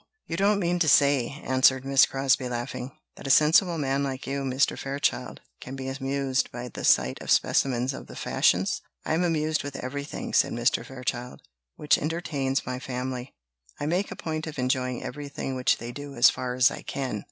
"You don't mean to say," answered Miss Crosbie, laughing, "that a sensible man like you, Mr. Fairchild, can be amused by the sight of specimens of the fashions?" "I am amused with anything," said Mr. Fairchild, "which entertains my family. I make a point of enjoying everything which they do, as far as I can."